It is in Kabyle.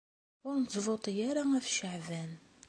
Ur nettvuṭi ara ɣef Ceεban.